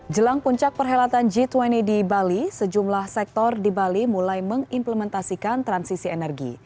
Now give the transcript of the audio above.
jelang puncak perhelatan g dua puluh di bali sejumlah sektor di bali mulai mengimplementasikan transisi energi